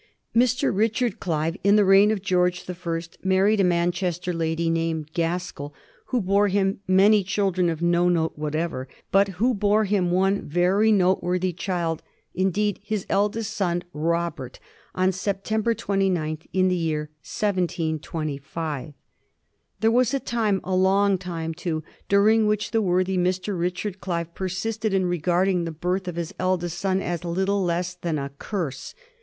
Mr. Richard Clive, in the reign of George the First, married a Manchester lady named Gaskill, who bore him many children of no note whatever, but who bore him one very noteworthy child indeed, his eldest son Robert, on September 29th, in the year 1725. There was a time, a long time too, during which the worthy Mr. Richard Clive persisted in regarding the birth of this eldest son as little less than a curse.